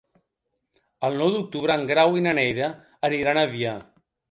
El nou d'octubre en Grau i na Neida iran a Avià.